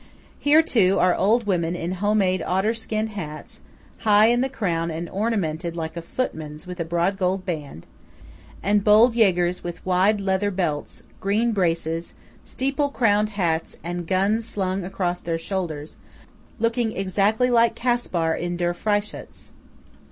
Here, too, are old women in home made otter skin hats, high in the crown and ornamented like a footman's with a broad gold band; and bold Jägers with wide leather belts, green braces, steeple crowned hats, and guns slung across their shoulders, looking exactly like Caspar in "Der Freischütz."